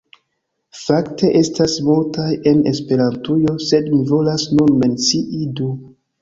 Fakte, estas multaj en Esperantujo sed mi volas nun mencii du